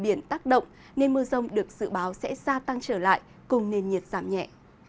biển tác động nên mưa rông được dự báo sẽ gia tăng trở lại cùng nền nhiệt giảm nhẹ